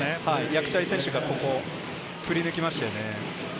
ヤクチャリ選手が振り抜きましたよね。